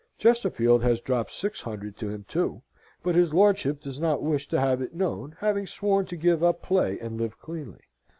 Chesterfield has dropped six hundred to him, too; but his lordship does not wish to have it known, having sworn to give up play and live cleanly.